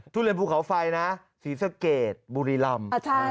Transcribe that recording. ทุเรียนภูเขาไฟนะศรีสะเกดบุรีลำ